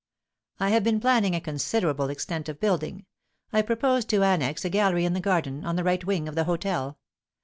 "I have been planning a considerable extent of building. I propose to annex a gallery in the garden, on the right wing of the hôtel.